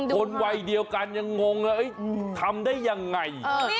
คนวัยเดียวกันยังงงเลยทำได้ยังไง